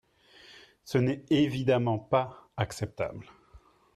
Ce n’est évidemment pas acceptable.